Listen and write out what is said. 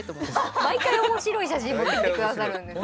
毎回面白い写真持ってきて下さるんですよね。